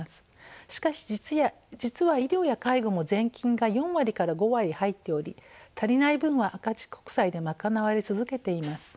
しかし実は医療や介護も税金が４割から５割入っており足りない分は赤字国債で賄われ続けています。